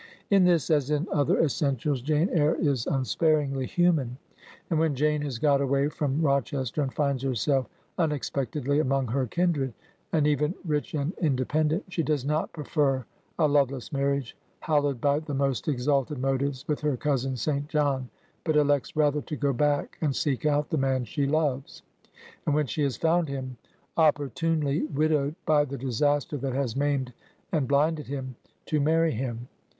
In this as in other essentials "Jane Eyre" is un sparingly human, and when Jane has got away from Rochester, and finds herself unexpectedly among her kindred, and even rich and independent, she does not prefer a loveless marriage, hallowed by the most exalt ed motives, with her cousin St. John, but elects rather to go back and seek out the man she loves, and when she has found him opportunely widowed by the disaster that has maimed and blinded him, to marry him.